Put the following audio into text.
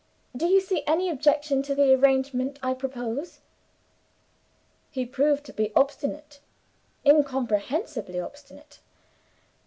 Do you see any objection to the arrangement I propose?" He proved to be obstinate incomprehensibly obstinate.